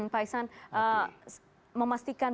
pak isan memastikan